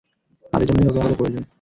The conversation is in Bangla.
আর এজন্যই ওকে আমাদের প্রয়োজন।